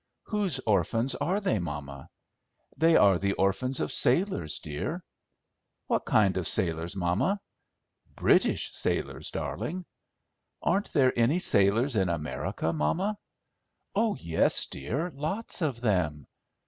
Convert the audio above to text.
"Whose orphans are they, mamma?" "They are the orphans of sailors, dear." "What kind of sailors, mamma?" "British sailors, darling." "Aren't there any sailors in America, mamma?" "Oh yes, dear, lots of them."